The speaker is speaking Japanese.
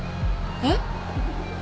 えっ？